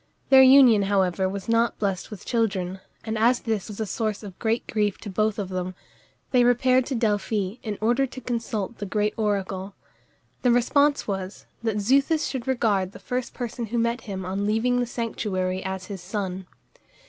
Their union, however, was not blest with children, and as this was a source of great grief to both of them, they repaired to Delphi in order to consult the oracle. The response was, that Xuthus should regard the first person who met him on leaving the sanctuary as his son.